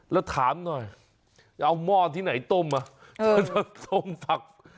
และถามหน่อยเอาม่อนที่ไหนต้มอะเลยทำฟัก